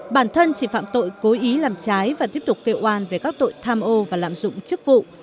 bản thân chỉ phạm tội cố ý làm trái và tiếp tục kêu oan về các tội tham ô và lạm dụng chức vụ